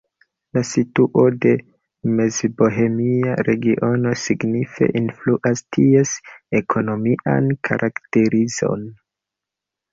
La situo de Mezbohemia Regiono signife influas ties ekonomian karakterizon.